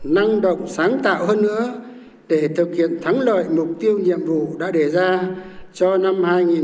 năng động sáng tạo hơn nữa để thực hiện thắng lợi mục tiêu nhiệm vụ đã đề ra cho năm hai nghìn hai mươi